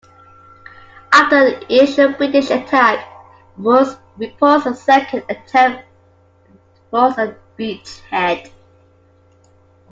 After the initial British attack was repulsed a second attempt forced a beachhead.